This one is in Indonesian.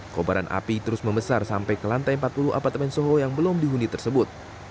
kobaran api terus membesar sampai ke lantai empat puluh apartemen soho yang belum dihuni tersebut